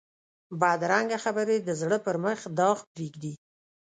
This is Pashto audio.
بدرنګه خبرې د زړه پر مخ داغ پرېږدي